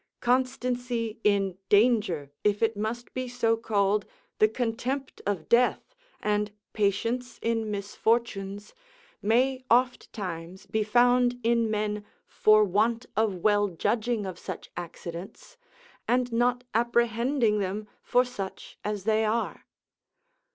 Constancy in danger, if it must be so called, the contempt of death, and patience in misfortunes, may ofttimes be found in men for want of well judging of such accidents, and not apprehending them for such as they are.